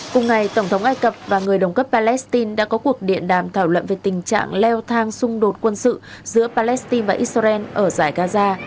cùng ngày tổng thống ai cập và người đồng cấp palestine đã có cuộc điện đàm thảo luận về tình trạng leo thang xung đột quân sự giữa palestine và israel ở giải gaza